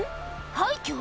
廃虚？